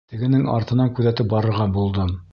Тегенең артынан күҙәтеп барырға булдым.